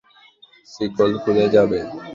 শিকল খুলে যাবে।